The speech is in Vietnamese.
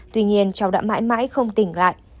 tuy nhiên cháu đã mãi mãi không tỉnh lại